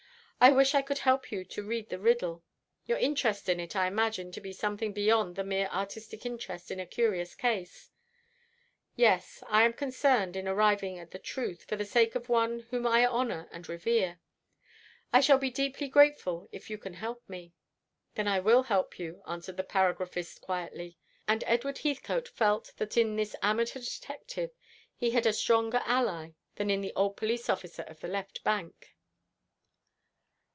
I wish I could help you to read the riddle. Your interest in it I imagine to be something beyond the mere artistic interest in a curious case." "Yes, I am concerned in arriving at the truth, for the sake of one whom I honour and revere. I shall be deeply grateful if you can help me." "Then I will help you," answered the paragraphist quietly; and Edward Heathcote felt that in this amateur detective he had a stronger ally than in the old police officer of the left bank.